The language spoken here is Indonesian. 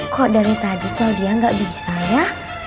kok dari tadi claudia gak bisa ya